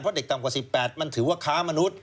เพราะเด็กต่ำกว่า๑๘มันถือว่าค้ามนุษย